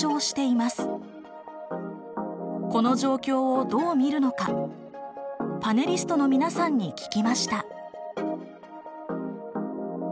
この状況をどう見るのかパネリストの皆さんに聞きました。